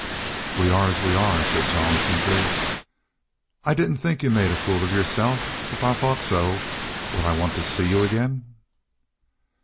"We are as we are," said Jean, simply. "I didn't think you made a fool of yourself. If I thought so, would I want to see you again?"